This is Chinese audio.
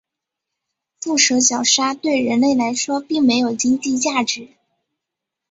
腹蛇角鲨对人类来说并没有经济价值。